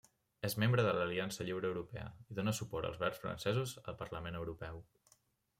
És membre de l'Aliança Lliure Europea, i dóna suport als Verds Francesos al Parlament Europeu.